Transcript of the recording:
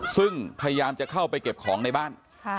ซึ่งพยายามจะเข้าไปเก็บของในบ้าน